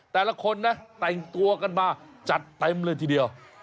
แต่ละคนนะแต่งตัวกันมาจัดเต็มเลยทีเดียว